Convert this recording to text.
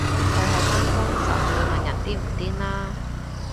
佢係返工就唔會問人癲唔癲啦